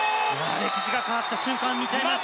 歴史が変わった瞬間見ちゃいましたね。